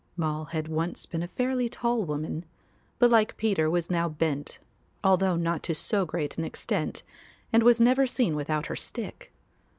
Moll had once been a fairly tall woman, but like Peter was now bent, although not to so great an extent and was never seen without her stick.